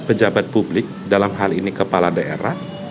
pejabat publik dalam hal ini kepala daerah